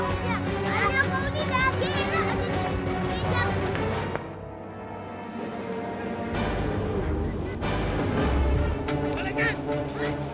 oh dia nabrak dia ngawak